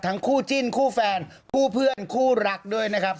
คู่จิ้นคู่แฟนคู่เพื่อนคู่รักด้วยนะครับ